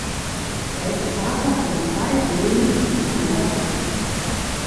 Er ist Vater von zwei Söhnen und einer Tochter.